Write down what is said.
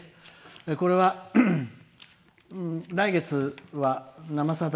これは来月は「生さだ」